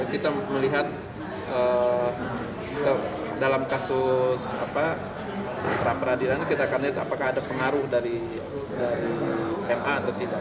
kita melihat dalam kasus pra peradilan ini kita akan lihat apakah ada pengaruh dari ma atau tidak